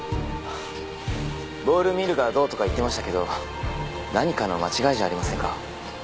ボールミルがどうとか言ってましたけど何かの間違いじゃありませんか？